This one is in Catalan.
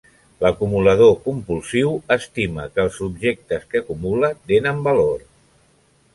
L'acumulador compulsiu estima que els objectes que acumula tenen valor.